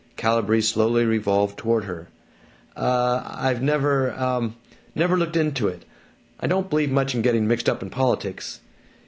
Calibree slowly revolved toward her. "Uh I've never uh never looked into it. I don't believe much in getting mixed up in politics."